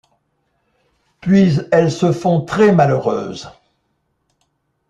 Puis elles se font très-malheureuses